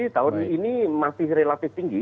tahun ini masih relatif tinggi